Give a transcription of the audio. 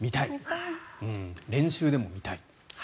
練習でも見たい。